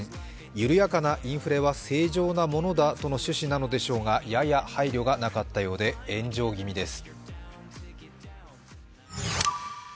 緩やかなインフレは正常なものだとの趣旨なのですが、やや配慮がなかったようで炎上ぎみです。